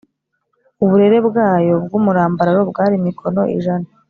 uburebure bwayo bw’umurambararo bwari mikono ijana